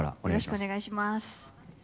よろしくお願いします